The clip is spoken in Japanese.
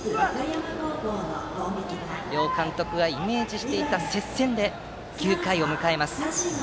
両監督がイメージしていた接戦で９回を迎えます。